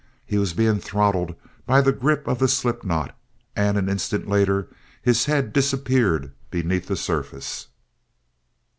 He was being throttled by the grip of the slip knot; and an instant later his head disappeared beneath the surface.